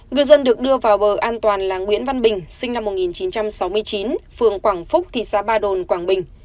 ngư dân được đưa vào bờ an toàn là nguyễn văn bình sinh năm một nghìn chín trăm sáu mươi chín phường quảng phúc thị xã ba đồn quảng bình